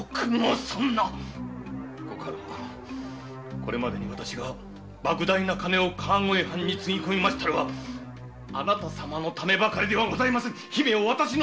これまでばく大な金を川越藩につぎ込みましたのはあなた様のためばかりではなく姫を私に。